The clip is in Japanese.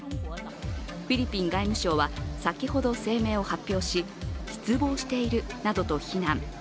フィリピン外務省は先ほど声明を発表し失望しているなどと非難。